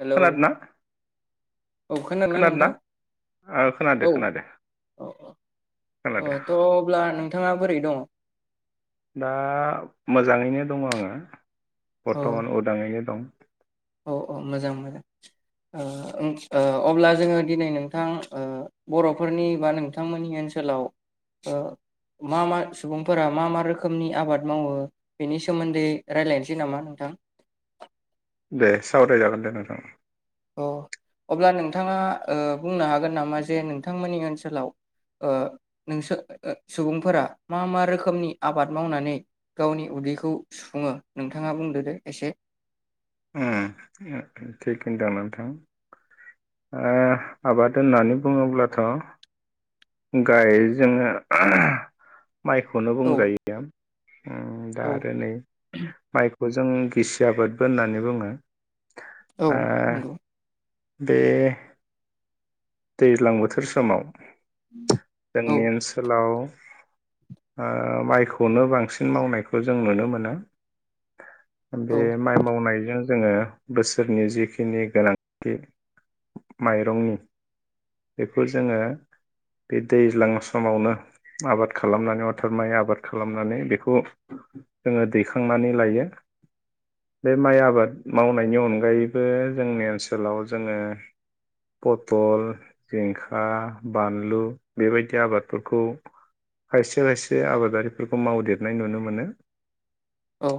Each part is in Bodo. हेलौ खोनादोना औ खोनादोंना खोनादोना नोंथां ओ खोनादो औ खोनादो अ अ खोनादो थ' अब्ला नों नोंथाङा बोरै दङ? दा मोजाङैनो दङ आङो बर्थमान उदाङैनो दं अ अ मोजां मोजां ओ ओ अब्ला जोङो दिनै नोंथां ओ बर'फोरनि बा नोंथांमोननि ओनसोलाव ओ मा मा सुबुंफोरा मा मा रोखोमनि आबाद मावो बेनि सोमोन्दै रायजलायनोसै नामा नोंथां। दे सावराय जागोन दे नोंथां। अ अब्ला नोंथाङा ओ बुंनो हागोन नामा जे नोंथांमोननि ओनसोलाव ओ नोंसो सुबुंफोरा मा मा रोखोमनि आबाद मावनानै गावनि उदैखौ सुफुङो नोंथाङा बुंदो दे एसे ओ ओ थिक होनदों नोंथां ओ आबाद होननानै बुङोब्लाथ' गाय जोङो माइखौनो औ बुंजायो। ओ दा औ आरो नै माइ जों गिसि आबाद बो होननानै बुङो। औ ओ नंगौ बे दैलां बोथोर समाव औ जोंनि ओनसोलाव ओ माइखौनो बांसिन मावनायखौ जों नुनो मोनो। बे औ माइ मावनायजों जोङो बोसोरनि जिखिनि गोनांथि माइरंनि बेफोर जोङो बे दैज्लां समावनो आबाद खालामनानै अर्थार माइ आबाद खालामनानै बेखौ जोङो दैखांनानै लायो बे माइ आबाद मावनायनि अनगायैबो जोंनि ओनसोलाव जोङो पथल जिंखा, बानलु बेबायदि आबादफोरखौ खायसे खायसे आबादारिफोरखौ मावदेरनाय नुनो मोनो। औ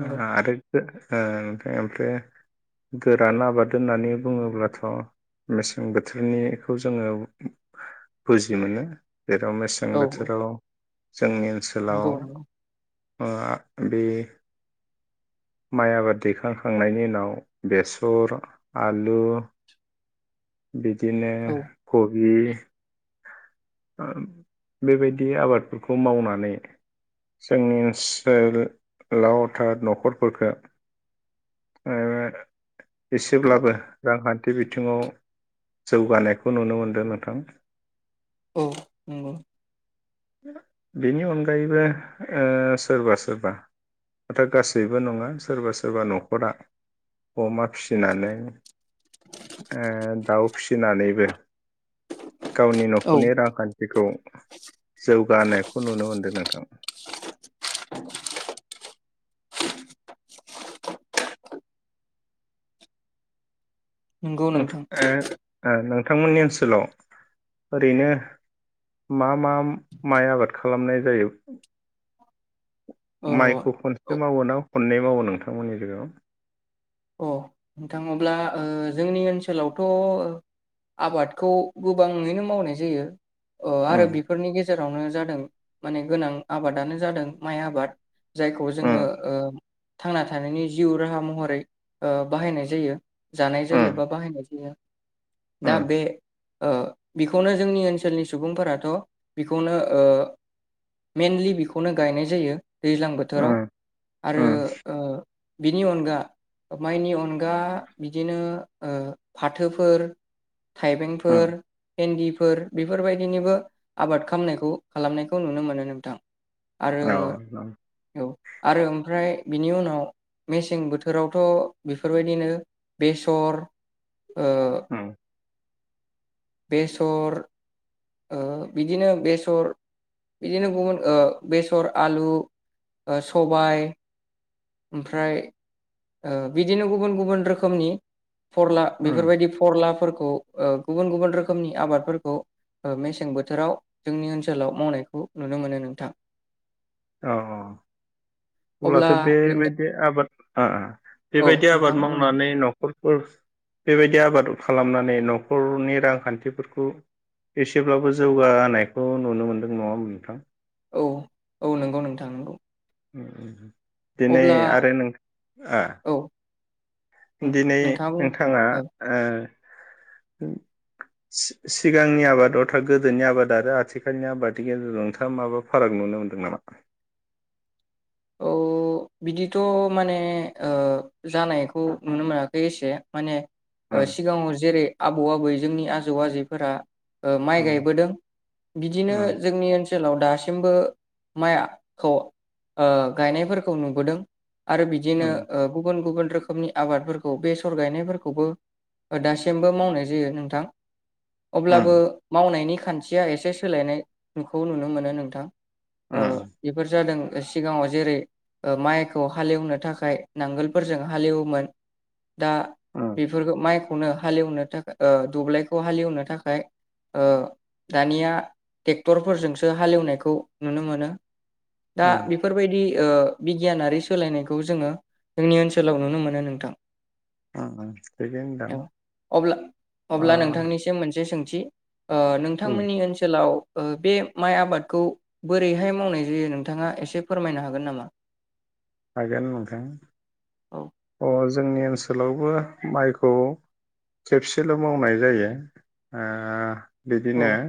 ओ आरो थो ओ ओमफ्राय गोरान आबाद होननानै बुङोब्लाथ' मेसें ओं बोथोरनिखौ जोङो बुजि मोनो। जेराव मेसें बोथोराव जोंनि ओनसोलाव ओ बे माइ आबाद दैखांखांनायनि उनाव बेसर, आलु, बिदिनो औ कबि [unintelligible] ओम बेबायदि आबादफोरखौ मावनानै जोंनि ओनसोलाव आरथाद न'खरफोरखौ ओ एसेब्लाबो रांखान्थि बिथिङाव जौगानायखौ नुनो मोनदों नोंथां। औ नंगौ बेनि अनगायैबो ओ सोरबा सोरबा हथाथ गासैबो नङा सोरबा सोरबा न'खरा अमा फिसिनानै ओ दाउ फिसिनानैबो गावनि औ न'खरनि रांखान्थिखौ जौगानायखौ नुनो मोनदों नोंथां। नंगौ ओंथु नोंथां ओ ओ नोंथांमोननि ओनसोलाव ओरैनो मा मा माइ आबाद खालामनाय जायो औ माइखौ औ खनसे मावो ना खननै मावो नोंथांमोननि गेजेराव अ नोंथां अब्ला ओ जोंनि ओनसोलावथ आबादखौ गोबाङैनो मावनाय जायो अ आरो उम बेफोरनि गेजे जेरावनो जादों माने गोनां आबादानो जादों माइ आबाद जायखौ जोंङो उम ओ थांना थानायनि जिउ राहा महरै ओ बाहायनाय जायो जानाय जायो बा बाहायनाय जायो दा उम बे ओ बेखौनो जोंनि ओनसोलनि सुबुंफोराथ बेखौनो ओ मेनलि बेखौनो गायनाय जायो। दैज्लां बोथोराव उम आरो उम ओ बिनि अनगा माइनि अन दा बिदिनो ओ फाथोफोर उम थाइबेंफोर बिन्दिफोर बेफोरबायदिनिबो आबाद खालामनायखौ खालामनायखौ नुनो मोनो नोंथां। आरो औ औ आरो ओमफ्राय बिनि उनाव मेसें बोथोरावथ बेफोरबायदिनो बेसर ओ उम बेसर ओ बिदिनो बेसर बिदिनो गुबुन ओ बेसर आलु ओ सबाय ओमफ्राय ओ बिदिनो गुबुन गुबुन रोखोमनि फरला उम बेफोरबायदि फरलाफोरखौ ओ गुबुन गुबुन रोखोमनि आबादफोरखौ ओ मेसें बोथोराव जोंनि ओनसोलाव मावनायखौ नुनो मोनो नोंथां। औ औ अब्लाथ अब्ला बे नोंथां बेबायदि आबाद मा आ औ बेबायदि नोंथां आबाद बुंनाय मावनानै नखर फोरस बेबायदि आबाद खालामनानै नखरनि रांखान्थिफोरखौ एसेब्लाबो जौगाहोनायखौ नुनो मोनदों नङा नोंथां औ औ नंगौ नोंथां नंगौ उम दिनै अब्ला आरो नों आ औ उम दिनै बुं नोंथाङा औ ओ सि सिगांनि आबादावथा गोदोनि आबाद आरो आथिखालनि आबादनि गेजेराव नोंथाङा माबा फाराग नुनो मोनदों नामा? औ बिदिथ माने ओ जानायखौ नुनो मोनाखै एसे माने ओ उम सिगाङाव जेरै आबौ आबै जोंनि आजौ आजैफोरा ओ माइ उम गायबोदों बिदिनो जोंनि ओनसो सोलाव दासिमबो माइखौ ओ गायनायफोरखौ नुबोदों। आरो बिदिनो उम ओ गुबुन गुबुन रोखोमनि आबादफोरखौ बेसर गायनायफोरखौबो दासिमबो मावनाय जायो नोंथां उम अब्लाबो मावनायनि खान्थिया एसे सोलायनायखौ नुनो मोनो नोंथां। उम ओ बेफोर जादों सिगाङाव जेरै ओ माइखौ हालेवनो थाखाय नांगोलफोरजों हालेवोमोन दा उम बेफोरखौ माइक खौनो हालेवनो थाखा ओ दब्लायखौ हालेवनो थाखाय ओ दानिया टेक्टरफोरजोंसो हालेवनायखौ नुनो मोनो। दा उम बि बि ओ बिगियानारि सोलायनायखौ जोङो जोंनि ओनसोलाव नुनो मोनो नोंथां उम उम थिगैनो दं अब्ला अ अब्ला नोंथांनिसिम मोनसे सोंथि ओ उम नोंथांमोननि ओनसोलाव ओ बे माइ आबादखौ बोरैहाय मावनाय जायो नोंथाङा एसे फोरमायनो हागोन नामा? हागोन नोंथां औ अ जोंनि ओनसोलावबो माइखौ खेबसेल' मावनाय जायो ओ बिदिनो औ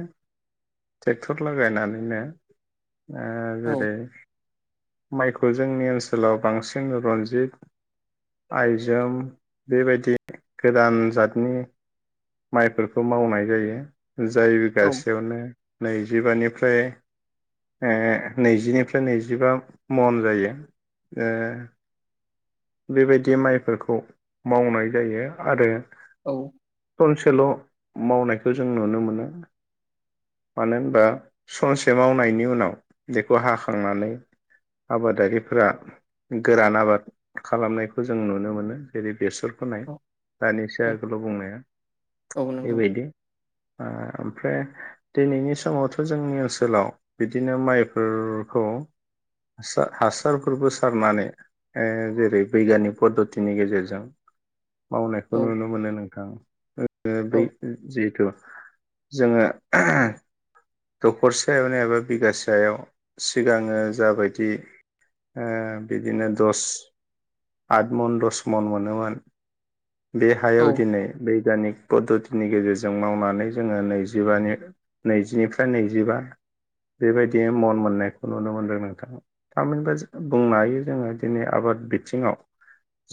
टेक्टर लागायनानैनो ओ औ जेरै माइखौ जोंनि ओनसोलाव बांसिन रनजित आइजोम बेबायदि गोदान जादनि माइफोरखौ मावनाय जायो जाय गासैयावनो नैजिबानिफ्राय ओ नैजिनिफ्राय नैजिबा मन जायो ओ बेबायदि माइफोरखौ मावनाय जायो आरो औ खनसेल' मावनायखौ जों नुनो मोनो मानो होनबा सनसे मावनायनि उनाव बेखौ हाखांनानै आबादारिफोरा गोरान आबाद खालामनायखौ जों नुनो मोनो जेरै बेसर फोनाय औ दानिसो औ आगोल' बुंनाया औ नंगौ बेबायदि ओ ओमफ्राय दिनैनि समावथ' जोंनि ओनसोलाव बिदिनो माइफोरखौ सा हासारफोरबो सारनानै ओ जेरै बैगिनिक पद्धतिनि गेजेरजों औ मावनायखौ नुनो मोनो नोंथां ओ बै औ जिहेथु जोङो [inaudible] दखरसेयावनो एबा बिगासेयाव सिगाङो जाबायदि बिदिनो दस आठ मन दस मन मोनोमोन बे औ हायाव दिनै बेै बिगानिक पद्धतिनि गेजेरजों मावनानै जोङो नैजिबानि नैजि निफ्राय फ्राय नैजिबा बेबायदिनो मन मोननायखौ नुनो मोनदों नोंथाङा थामहिनबा बुंनो हायो जोङो दिनै आबाद बिथिङाव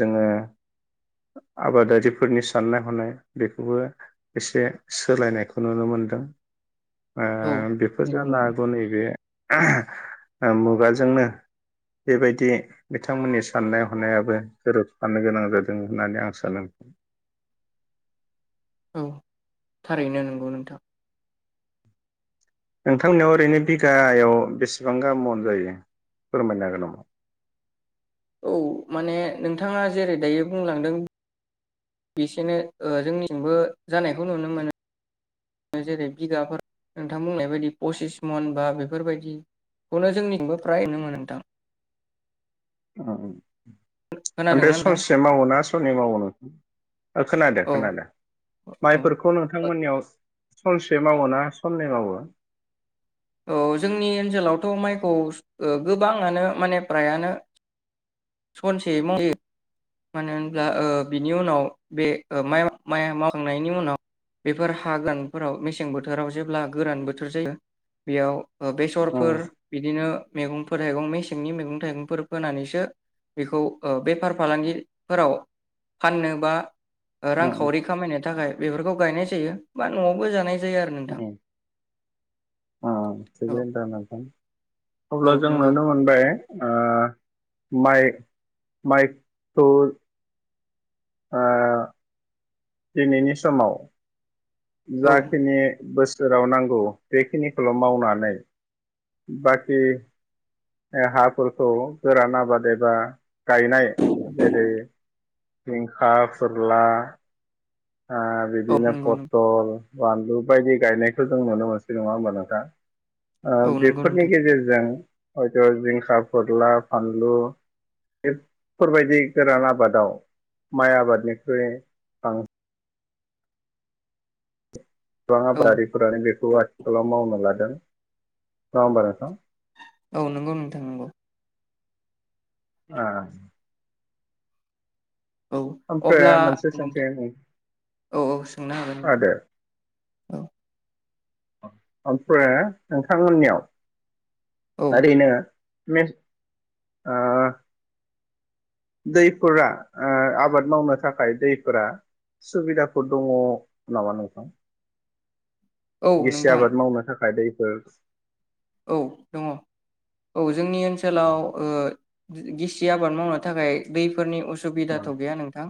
जोङो आबादारिफोरनि साननाय हनाय बेखौबो एसे सोलायनायखौ नुनो मोनदों ओ औ बेफोर नंगौ जानो नंगौ हागौ नैबे मुगाजोंनो बेबायदि बिथांमोननि साननाय हनायाबो गोरोबफानो गोनां जादों होननानै आं सानो औ थारैनो नंगौ नोंथां नोंथांनियाव ओरैनो बिगायाव बेसेबां गाहाम मन जायो फोरमायनो हागोन नामा? औ माने नोंथाङा जेरै दायो बुंलांदों बिसेनो ओ जोंनिथिंबो जानायखौ नुनो मोनो जेरै बिगाफोर नोंथां बुंनाय बायदि पसिस मन बा बेफोरबायदिखौनो जोंनिबो फ्राय नुनो मोनो नोंथां। आ ओं ओमफ्राय खोनादोंना नोंथां सनसे मावो ना सननै मावो नों खोनादो औ खोनादो औ माइफोरखौ नोंथांमोननियाव। सानसे मावोना साननै मावो? औ जोंनि ओनसोलावथ' माइखौ ओ गोबाङानो माने प्रायानो सनसे [unintelligible] मानो होनब्ला उम ओ बिनि उनाव बे ओ [unintelligible] मावखांनायनि उनाव बेफोर हा [unintelligible] फोराव मेसें बोथोराव जेब्ला गोरान बोथोर जायो बेयाव ओ बेसरफोर बिदिनो मेगं [unintelligible] मेसेंनि मेगं थाइगंफोर फोनानैसो बेखौ ओ बेफार फालांगि फोराव फाननोबा ओ उम रांखाउरि खामायनो थाखाय बेफोरखौ गायनाय जायो बा न'आवबो जानाय जायो आरो नोंथां ओम ओ औ थिगैनो दं नोंथां औ अब्ला जों नंगौ नुनो मोनबाय ओ माइ माइखौ ओ दिनैनि समाव औ जाखिनि बोस सोराव नांगौ बेखिनिखौल' मावनानै बाखि ओ हाफोरखौ गोरान आबाद एबा गायनाय जेरै जिंखा, फोर्ला ओ औ बिदिनो नंगौ पतल बानलु बायदि गायनायखौ जों नुनो मोनसै नङा होमबा नोंथां? ओ औ नंगौ बेफोरनि नोंथां गेजेरजों हयथ' जिंखा, फोरला, फानलु बेफोरबायदि गोरान आबादाव माइ आबादनिख्रुइ बां गोबां औ आबादारिफोरानो बेखौ आथिखालाव मावनो लादों। नङा होमबा नोंथां? औ नोंगौ नोंथां नोंगौ। आ औ ओमफ्राय अब्ला मोनसे नों सोंथि औ औ सोंनो हागोन नोंथां आदा औ। ओमफ्रे नोंथांमोननियाव औ ओरैनो मेस ओ दैफोरा ओ आबाद मावनो थाखाय दैफोरा सुबिदाफोर दङ नामा नोंथां? औ गिसि नोंथां आबाद मावनो थाखाय दै। [unintelligible] औ दङ। औ जोंनि ओनसोलाव ओ गिसि आबाद मावनो थाखाय बे फोरनि ओम असुबिदाथ' गैया नोंथां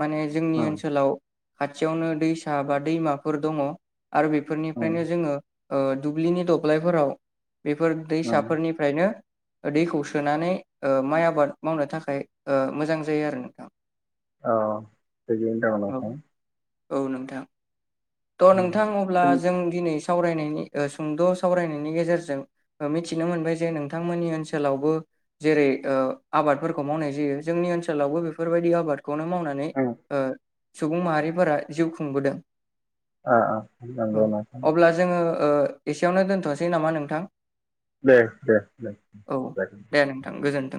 माने जोंनि ओम ओनसोलाव खाथियावनो दैसा बा दैमाफोर दङ। आरो ओम बेफोरनिफ्रायनो जोङो ओ दुब्लिनि दब्लायफोराव बेफोर ओम दैसाफोरनि दैखौ सोनानै ओ माइ आबाद मावनो थाखाय ओ मोजां जायो आरो नोंथां। औ अह औ नोंथां थ' नोंथां अब्ला जों दिनैसिम सावरायनायनि सुंद' सावरायनायनि गेजेरजों मिथिनो मोनबाय जे नोंथांमोननि ओनसोलावबो जेरै आबादफोरखौ मावनाय जायो जोंनि ओनसोलावबो बेफोरबायदि आबाद बे खौनो मावनानै ओम ओ सुबुं माहारिफोरा जिउ खुंबोदों औ औ नंगौ नंगौ। अब्ला जोङो एसेयावनो दोनथ'नोसै नामा नोंथां। दे दे दे औ जागोन। दे नोंथां गोजोन्थों